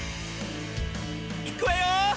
いくわよ！